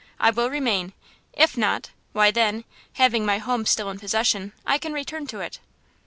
I will remain; if not, why then, having my home still in possession, I can return to it."